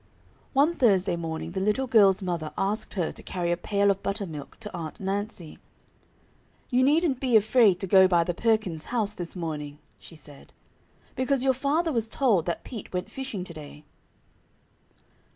One Thursday morning the little girl's mother asked her to carry a pail of buttermilk to Aunt Nancy. "You needn't be afraid to go by the Perkins' house this morning," she said, "because your father was told that Pete went fishing to day."